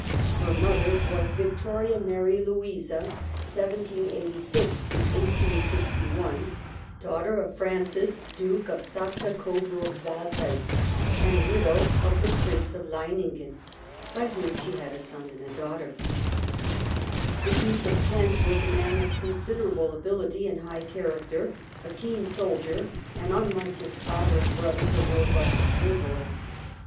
her mother was Victoria Mary Louisa (1786 1861), daughter of Francis Duke of Saxe Coburg Saalfeld and widow of the Prince of Lein ingen, by whom she had a son and a daughter. The Duke of Kent was a man of considerable ability and high character ; a keen soldier and, unlike his father and brothers, a robust Liberal.